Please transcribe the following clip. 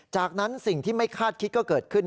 จากนั้นสิ่งที่ไม่คาดคิดก็เกิดขึ้น